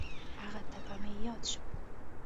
هغه ټپه مې یاد شوه.